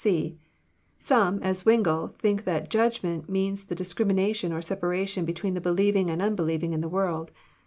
(c) Some, as Zwlngle, think that Judgment" means the dis crimination or separation between the believing and the unbe lieving in the world.